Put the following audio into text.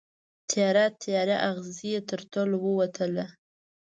تیاره، تیاره اغزې یې تر تلو ووتله